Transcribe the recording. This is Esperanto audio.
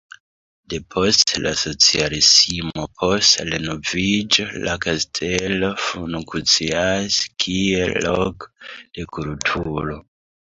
Depost la socialismo post renoviĝo la kastelo funkcias kiel loko de kulturo.